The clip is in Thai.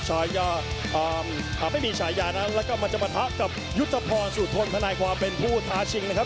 ชายาหากไม่มีชายานะแล้วก็มาจะมาทักกับยุทธพรสุดทนพนัยความเป็นผู้ท้าชิงนะครับ